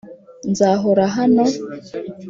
nzahora hano,